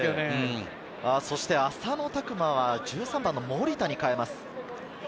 そして浅野拓磨は１３番の守田に代えます。